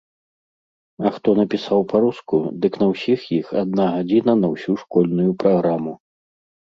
А хто напісаў па-руску, дык на ўсіх іх адна гадзіна на ўсю школьную праграму.